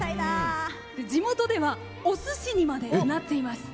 地元ではおすしにまでなっています。